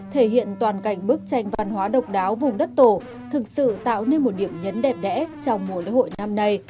thể hiện toàn cảnh bức tranh văn hóa độc đáo vùng đất tổ thực sự tạo nên một điểm nhấn đẹp đẽ trong mùa lễ hội năm nay